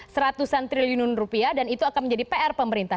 seratusan triliun rupiah dan itu akan menjadi pr pemerintah